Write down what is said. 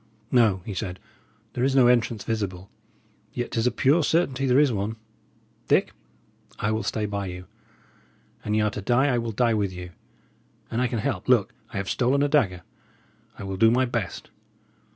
"No," he said, "there is no entrance visible. Yet 'tis a pure certainty there is one. Dick, I will stay by you. An y' are to die, I will die with you. And I can help look! I have stolen a dagger I will do my best!